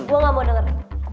gue gak mau denger